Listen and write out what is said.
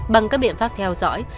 bằng các biện pháp theo dõi